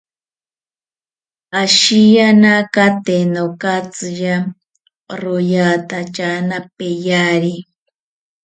Ashiyanaka tee nokatziya, royatatyana peyari